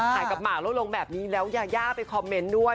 กับหมากแล้วลงแบบนี้แล้วยาย่าไปคอมเมนต์ด้วย